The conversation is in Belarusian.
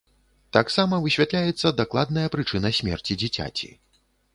Таксама высвятляецца дакладная прычына смерці дзіцяці.